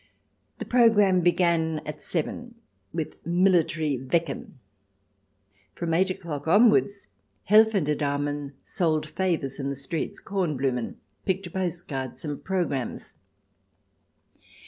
The programme began at seven, with Military Wecken. From eight o'clock onwards, Helfende Damen sold favours in the streets, Kornblumen ; picture postcards and programmes.